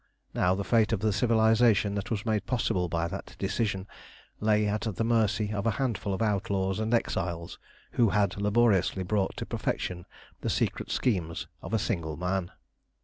Now the fate of the civilisation that was made possible by that decision, lay at the mercy of a handful of outlaws and exiles who had laboriously brought to perfection the secret schemes of a single man.